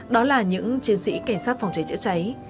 đó là những chiến sĩ cảnh sát phòng cháy chữa cháy